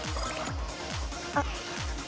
あっ！